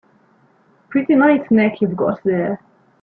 Pretty nice neck you've got there.